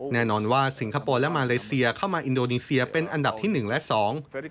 แน่นอนว่าสิงคโปร์และมาเลเซียเข้ามาอินโดนีเซียเป็นอันดับที่หนึ่งและสอง